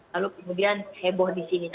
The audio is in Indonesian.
lalu kemudian heboh di sini